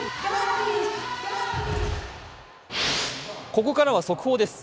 ここからは速報です。